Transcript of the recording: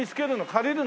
借りるの？